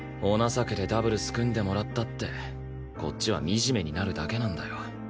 お情けでダブルス組んでもらったってこっちは惨めになるだけなんだよ。